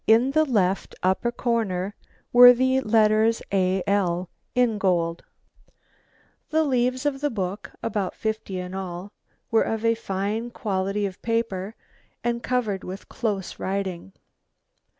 In the left upper corner were the letters A. L. in gold. The leaves of the book, about fifty in all, were of a fine quality of paper and covered with close writing.